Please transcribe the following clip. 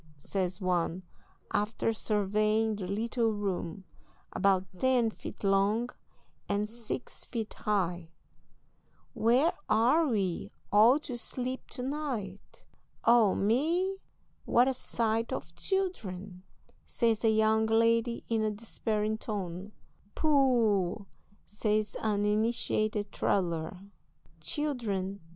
says one, after surveying the little room, about ten feet long and six feet high, "where are we all to sleep to night?" "Oh, me, what a sight of children!" says a young lady, in a despairing tone. "Pooh!" says an initiated traveller, "children!